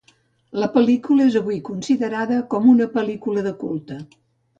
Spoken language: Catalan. La pel·lícula és avui considerada com una pel·lícula de culte.